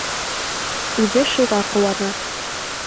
Үҙе шуға ҡыуана.